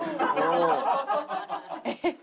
えっ？